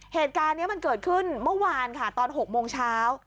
เหตุการณ์นี้มันเกิดขึ้นเมื่อวานค่ะตอน๖โมงเช้า